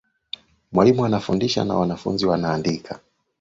Mwalimu anafundisha na wanafunzi wanaandika.